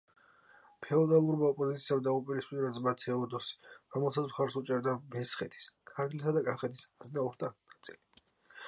ფეოდალურმა ოპოზიციამ დაუპირისპირა ძმა თეოდოსი, რომელსაც მხარს უჭერდა მესხეთის, ქართლისა და კახეთის აზნაურთა ნაწილი.